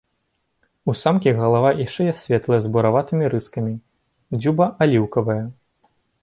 У самкі галава і шыя светлыя з бураватымі рыскамі, дзюба аліўкавая.